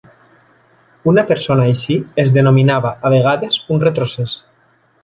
Una persona així es denominava a vegades un "retrocés".